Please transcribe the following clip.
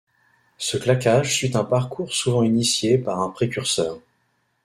Ce claquage suit un parcours souvent initié par un précurseur.